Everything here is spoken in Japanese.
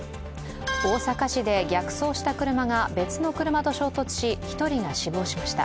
大阪市で逆走した車が別の車と衝突し、１人が死亡しました。